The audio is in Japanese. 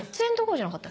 じゃなかった？